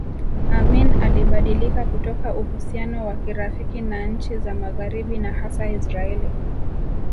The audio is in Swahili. Amin alibadilika kutoka uhusiano wa kirafiki na nchi za magharibi na hasa Israeli